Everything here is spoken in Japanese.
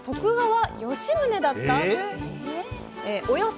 およそ